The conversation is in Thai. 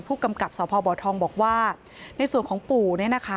ผู้กำกับสพทองบอกว่าในส่วนของปู่